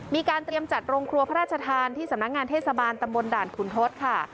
มีการเตรียมจัดโรงครัวพระราชทานที่สำนักงานเทศบาลตำบลด่านขุนทศค่ะ